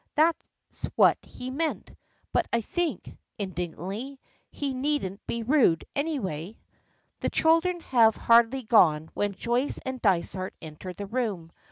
That's what he meant! But I think," indignantly, "he needn't be rude, anyway." The children have hardly gone when Joyce and Dysart enter the room.